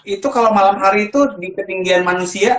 itu kalau malam hari itu di ketinggian manusia